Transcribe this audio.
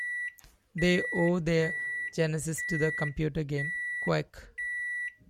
They owe their genesis to the computer game "Quake".